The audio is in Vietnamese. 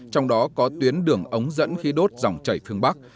trong đó có tuyến đường ống dẫn khí đốt dòng chảy phương bắc